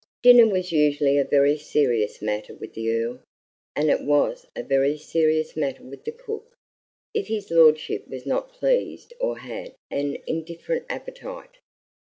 Dinner was usually a very serious matter with the Earl and it was a very serious matter with the cook, if his lordship was not pleased or had an indifferent appetite.